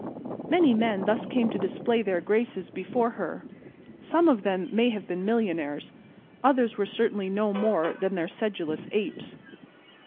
Many men thus came to display their graces before her. Some of them may have been millionaires; others were certainly no more than their sedulous apes.